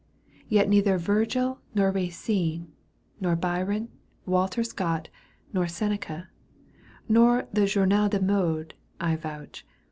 Yet neither Virgil nor Eacine Nor Byron, Walter Scott, nor Seneca, Nor the Journal des Modes, I vouch.